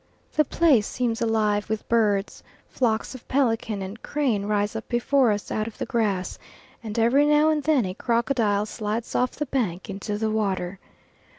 The place seems alive with birds; flocks of pelican and crane rise up before us out of the grass, and every now and then a crocodile slides off the bank into the water.